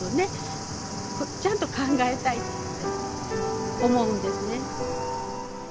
ちゃんと考えたいって思うんですね。